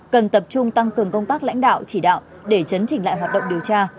cần tập trung tăng cường công tác lãnh đạo chỉ đạo để chấn chỉnh lại hoạt động điều tra